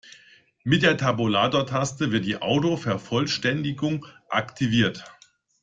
Mit der Tabulatortaste wird die Autovervollständigung aktiviert.